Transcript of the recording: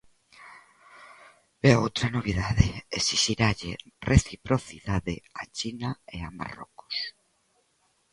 E outra novidade, esixiralle reciprocidade a China e a Marrocos.